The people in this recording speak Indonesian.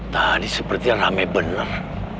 tadi seperti rame bener